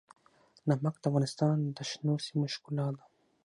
نمک د افغانستان د شنو سیمو ښکلا ده.